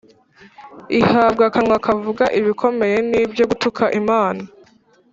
Ihabwa akanwa kavuga ibikomeye n’ibyo gutuka Imana,